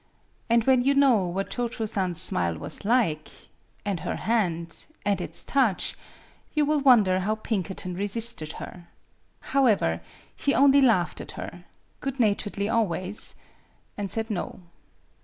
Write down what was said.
And when you know what Cho Cho San's smile was like, and her hand and its touch, you will wonder how Pinkerton resisted her. However, he only laughed at her, good naturedly al ways, and j>aid no.